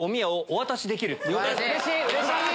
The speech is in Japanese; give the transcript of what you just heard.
うれしい！